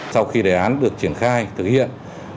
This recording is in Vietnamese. sau khi đề án được triển khai thực hiện